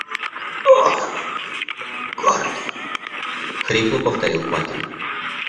Он… гордый, – хрипло повторил Квакин